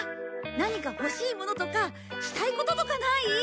何か欲しいものとかしたいこととかない？